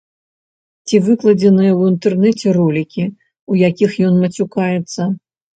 Ці выкладзеныя ў інтэрнэт ролікі, у якіх ён мацюкаецца.